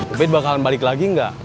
ubed bakalan balik lagi gak